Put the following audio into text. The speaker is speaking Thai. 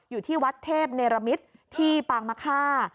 อยู่ที่วัดเทพเนรมิตที่ปางมะค่า